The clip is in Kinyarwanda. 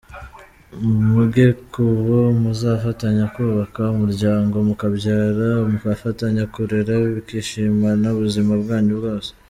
Muge ku bo muzafatanya kubaka umuryango, mukabyara mugafatanya kurera mukishimana ubuzima bwanyu bwose.